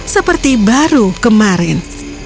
seperti baru kemarin